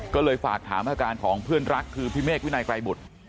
ก็เลยฝากถามอาการของเพื่อนรักคือพี่เมฆวินัยไกรบุตร